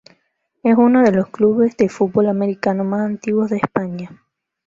Es uno de los clubes de fútbol americano más antiguos de España.